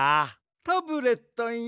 タブレットンよ。